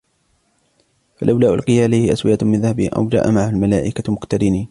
فلولا ألقي عليه أسورة من ذهب أو جاء معه الملائكة مقترنين